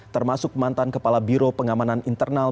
termasuk mantan kepala biro pengamanan internal